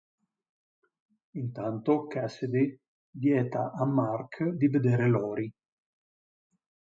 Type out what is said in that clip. Intanto Cassidy vieta a Mark di vedere Lori.